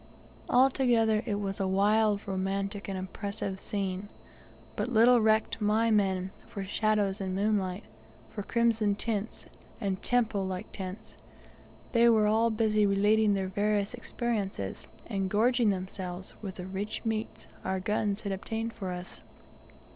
Altogether it was a wild, romantic, and impressive scene. But little recked my men for shadows and moonlight, for crimson tints, and temple like tents they were all busy relating their various experiences, and gorging themselves with the rich meats our guns had obtained for us.